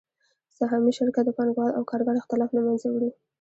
سهامي شرکت د پانګوال او کارګر اختلاف له منځه وړي